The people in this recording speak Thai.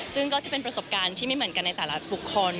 ซึ่งก็จะเป็นประสบการณ์ที่ไม่เหมือนกันในแต่ละบุคคล